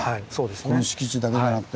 この敷地だけでなくて。